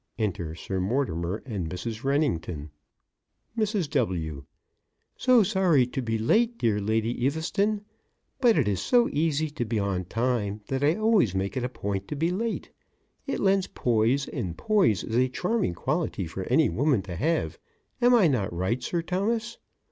(Enter Sir Mortimer and Mrs. Wrennington) MRS. W.: So sorry to be late, dear Lady Eaveston. But it is so easy to be on time that I always make it a point to be late. It lends poise, and poise is a charming quality for any woman to have, am I not right, Sir Thomas?